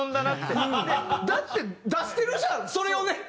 だって出してるじゃんそれをねってね。